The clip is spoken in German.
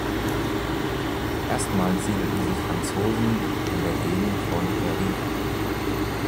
Erstmals siedelten sich Franzosen in der Gegend von Erie an.